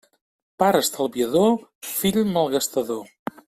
Pare estalviador: fill malgastador.